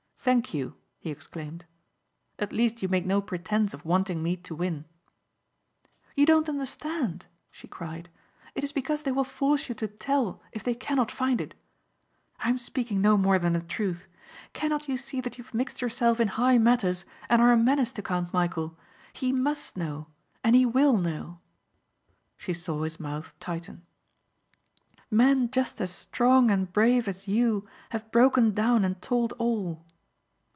"Thank you," he exclaimed. "At least you make no pretence of wanting me to win." "You don't understand," she cried, "it is because they will force you to tell if they cannot find it. I am speaking no more than the truth. Cannot you see that you have mixed yourself in high matters and are a menace to Count Michæl? He must know and he will know." She saw his mouth tighten. "Men just as strong and brave as you have broken down and told all."